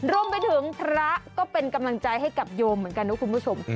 รวมไปถึงพระก็เป็นกำลังใจให้กับโยมเหมือนกันนะคุณผู้ชม